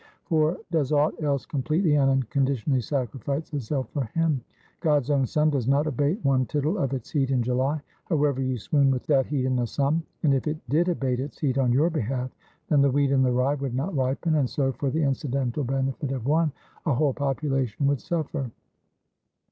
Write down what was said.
(For, does aught else completely and unconditionally sacrifice itself for him? God's own sun does not abate one tittle of its heat in July, however you swoon with that heat in the sun. And if it did abate its heat on your behalf, then the wheat and the rye would not ripen; and so, for the incidental benefit of one, a whole population would suffer.)